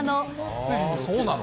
そうなの？